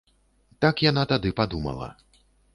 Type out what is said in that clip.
Так яна тады падумала.